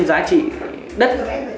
giá trị đất